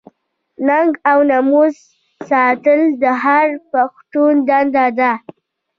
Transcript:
ننګ او ناموس ساتل د هر پښتون دنده ده.